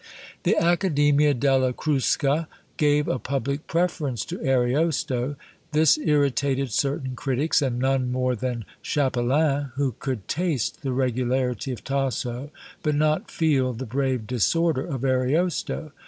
The Accademia della Crusca gave a public preference to Ariosto. This irritated certain critics, and none more than Chapelain, who could taste the regularity of Tasso, but not feel the "brave disorder" of Ariosto.